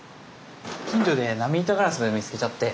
近所で波板ガラス見つけちゃって。